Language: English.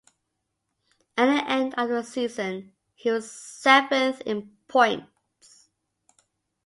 At the end of the season, he was seventh in points.